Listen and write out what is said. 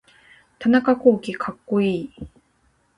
田中洸希かっこいい